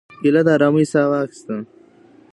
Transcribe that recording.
ایله د آرامۍ ساه وایستله.